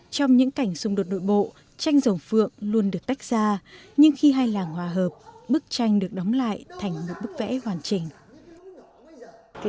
trong những cảnh xung đột nội bộ tranh dòng phượng luôn được tách ra nhưng khi hai làng hòa hợp bức tranh được đóng lại thành một bức vẽ hoàn chỉnh